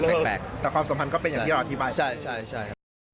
แต่ความสำคัญก็เป็นอย่างที่เราอธิบาย